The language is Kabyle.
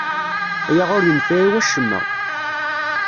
Aya ur yenfiɛ i acemma.